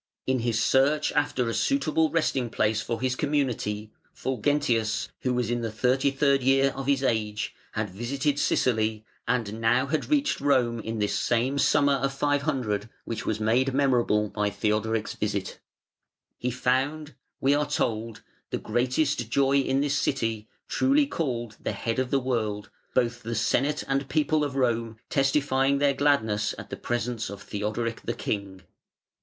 In his search after a suitable resting place for his community, Fulgentius, who was in the thirty third year of his age, had visited Sicily, and now had reached Rome in this same summer of 500, which was made memorable by Theodoric's visit. "He found", we are told, "the greatest joy in this City, truly called 'the head of the world,' both the Senate and People of Rome testifying their gladness at the presence of Theodoric the King.